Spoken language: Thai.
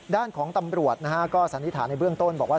ด้านของตำรวจก็สันนิษฐานในเบื้องต้นบอกว่า